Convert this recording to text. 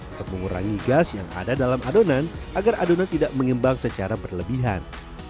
untuk mengurangi gas yang ada dalam adonan agar adonan tidak mengembang secara berlebihan